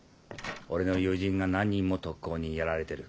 俺の友人が何人も特高にやられてる。